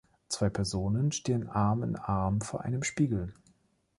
Zwei Personen stehen Arm in Arm vor einem Spiegel.